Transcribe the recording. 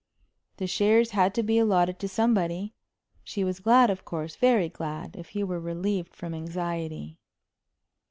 The shares had to be allotted to somebody. She was glad, of course, very glad, if he were relieved from anxiety....